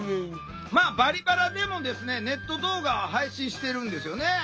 まあ「バリバラ」でもネット動画配信してるんですよね。